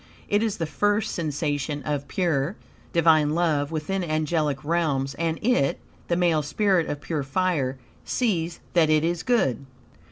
It is the first sensation of pure, Divine love within angelic realms, and it (the male spirit of pure fire) sees that it is good.